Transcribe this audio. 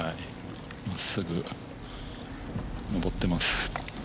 真っすぐ上ってます。